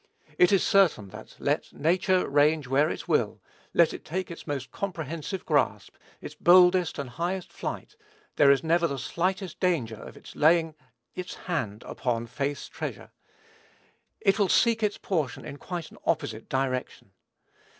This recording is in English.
It is certain that, let nature range where it will, let it take its most comprehensive grasp, its boldest and highest flight, there is never the slightest danger of its laying its hand upon faith's treasure. It will seek its portion in quite an opposite direction.